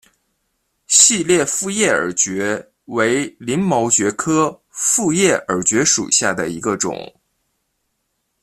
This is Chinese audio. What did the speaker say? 细裂复叶耳蕨为鳞毛蕨科复叶耳蕨属下的一个种。